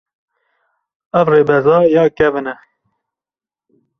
Ev rêbeza ya kevin e.